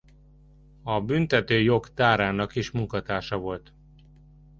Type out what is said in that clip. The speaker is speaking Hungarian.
A Büntető Jog Tárának is munkatársa volt.